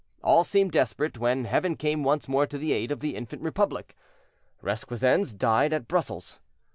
All seemed desperate, when Heaven came once more to the aid of the infant Republic. Requesens died at Brussels.